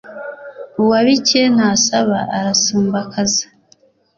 uwabike ntasaba arasumbakaza